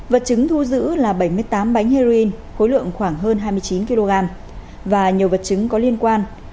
vật chứng thu giữ là bảy mươi tám bánh heroin khối lượng khoảng hơn hai mươi chín kg và nhiều vật chứng có liên quan